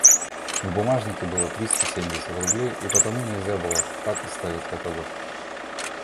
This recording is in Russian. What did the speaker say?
В бумажнике было триста семьдесят рублей, и потому нельзя было так оставить этого.